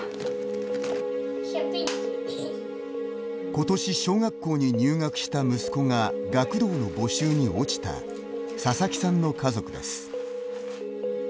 今年、小学校に入学した息子が学童の募集に落ちた佐々木さんの家族です。